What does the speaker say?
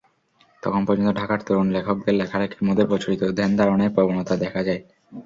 তখন পর্যন্ত ঢাকার তরুণ লেখকদের লেখালেখির মধ্যে প্রচলিত ধ্যানধারণারই প্রবণতা দেখা যায়।